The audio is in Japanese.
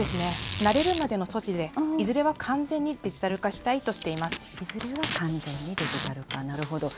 慣れるまでの措置で、いずれは完全にデジタル化したいとしていずれは完全にデジタル化、なるほど。